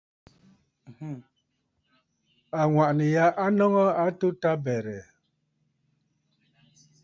Àŋwàʼànə̀ ya a nɔŋə a atu tabɛ̀rə̀.